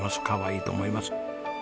かわいいと思います。